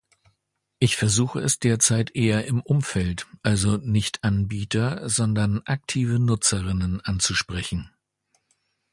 Ich versuche es derzeit eher im Umfeld, also nicht Anbieter, sondern aktive Nutzerinnen anzusprechen.